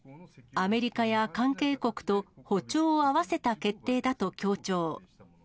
アメリカや関係国と歩調を合わせた決定だと強調。